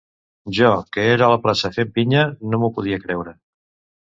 Jo, que era a la plaça fent pinya, no m’ho podia creure.